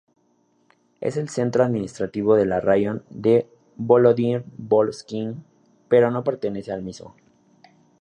Es el centro administrativo del raión de Volodýmir-Volynski, pero no pertenece al mismo.